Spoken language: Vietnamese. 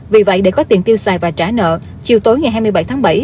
vì vậy để có tiền tiêu xài và trả nợ chiều tối ngày hai mươi bảy tháng bảy